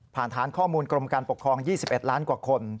ฐานข้อมูลกรมการปกครอง๒๑ล้านกว่าคน